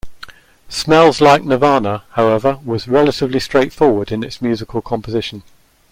"Smells Like Nirvana", however, was relatively straightforward in its musical composition.